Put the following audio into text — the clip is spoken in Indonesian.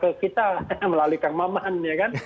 ke kita melalui kang maman ya kan